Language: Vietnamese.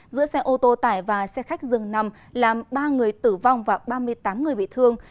giữa xe ô tô tải và xe khách dường nằm làm ba người tử vong và ba mươi tám người bị thương